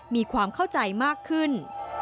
มีความเข้าใจมากขึ้น